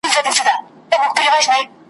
دروازې د ښوونځیو مي تړلي `